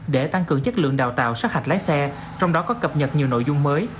để tăng cường chất lượng đào tạo sát hạch lái xe trong đó có cập nhật nhiều nội dung mới